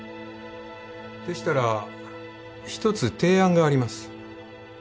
でしたら１つ提案があります